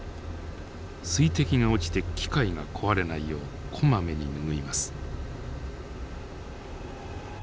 水滴が落ちて機械が壊れないようこまめに拭います。